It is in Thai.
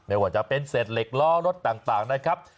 ไม่ว่าจะเป็นเศษเหล็กล้อรถต่างนะครับ